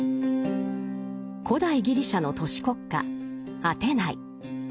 古代ギリシャの都市国家アテナイ。